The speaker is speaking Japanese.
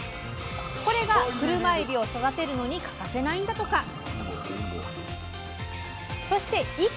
これがクルマエビを育てるのに欠かせないんだとか。